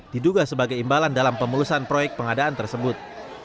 diduga sebagai imbalan dalam pemulusan proyek pengadaan tersebut